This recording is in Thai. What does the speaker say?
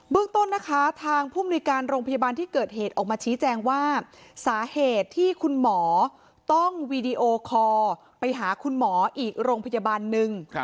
ต้นนะคะทางผู้มนุยการโรงพยาบาลที่เกิดเหตุออกมาชี้แจงว่าสาเหตุที่คุณหมอต้องวีดีโอคอลไปหาคุณหมออีกโรงพยาบาลหนึ่ง